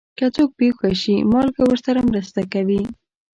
که څوک بې هوښه شي، مالګه ورسره مرسته کوي.